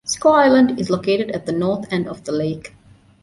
Squaw Island is located at the north end of the lake.